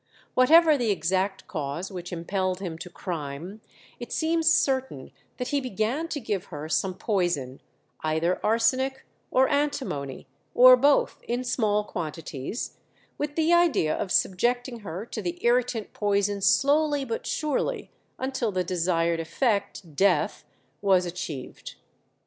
Whatever the exact cause which impelled him to crime, it seems certain that he began to give her some poison, either arsenic or antimony, or both, in small quantities, with the idea of subjecting her to the irritant poison slowly but surely until the desired effect, death, was achieved.